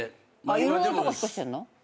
いろんなとこ引っ越してんの？